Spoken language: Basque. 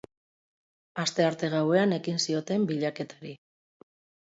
Astearte gauean ekin zioten bilaketari.